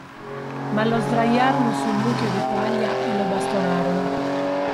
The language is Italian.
Ma lo sdraiarono su un mucchio di paglia e lo bastonarono.